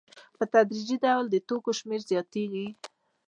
په تدریجي ډول د توکو شمېر زیاتېږي